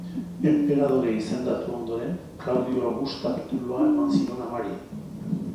Enperadore izendatu ondoren, Klaudiok Augusta titulua eman zion amari.